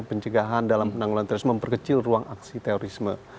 pencegahan dalam penanggulan terorisme memperkecil ruang aksi terorisme